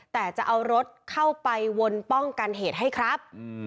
แต่จะเอารถเข้าไปวนป้องกันเหตุให้ครับ